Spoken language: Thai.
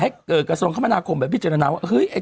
ให้กระทรวงคมนาคมแบบพี่จังหนะว่า